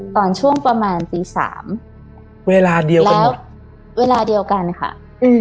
ตอนช่วงประมาณตีสามเวลาเดียวกันแล้วเวลาเดียวกันค่ะอืม